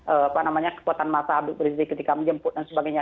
apa namanya kekuatan masa habib rizik ketika menjemput dan sebagainya